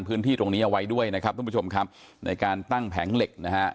พื้นที่ตรงนี้เอาไว้ด้วยนะครับทุกผู้ชมครับในการตั้งแผงเหล็กนะฮะ